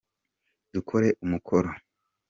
Dukore umukoro.